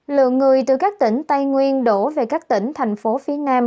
lượng người từ các tỉnh tây nguyên đổ về các tỉnh thành phố phía nam